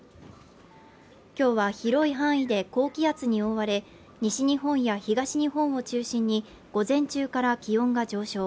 今日は広い範囲で高気圧に覆われ、西日本や東日本を中心に午前中から気温が上昇。